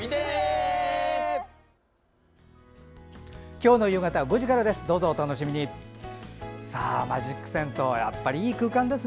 今日の夕方５時からです。